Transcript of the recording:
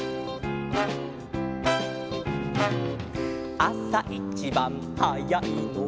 「あさいちばんはやいのは」